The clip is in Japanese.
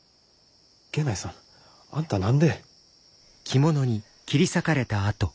源内さんあんた何で！